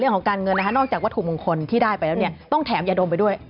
เรื่องของการเงินนะคะนอกจากวัตถุมงคลที่ได้ไปแล้วเนี่ยต้องแถมยาดมไปด้วย